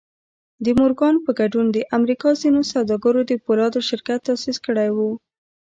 د مورګان په ګډون د امريکا ځينو سوداګرو د پولادو شرکت تاسيس کړی و.